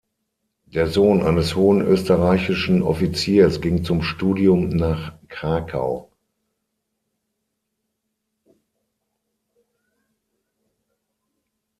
Der Sohn eines hohen österreichischen Offiziers ging zum Studium nach Krakau.